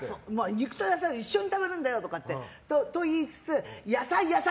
肉と野菜を一緒に食べるんだよと言いつつ野菜、野菜、